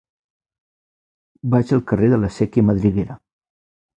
Vaig al carrer de la Sèquia Madriguera.